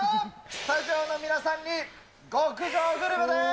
スタジオの皆さんに極上グルメです。